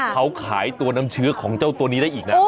เขาขายตัวน้ำเชื้อของเจ้าตัวนี้ได้อีกนะ